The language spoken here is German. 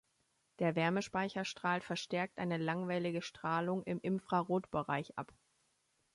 Der Wärmespeicher strahlt verstärkt eine langwellige Strahlung im Infrarotbereich ab.